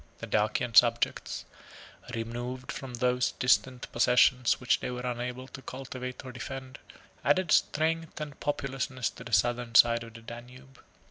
The Dacian subjects, removed from those distant possessions which they were unable to cultivate or defend, added strength and populousness to the southern side of the Danube.